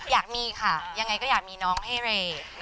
อยากมีค่ะยังไงก็อยากมีน้องให้เรย์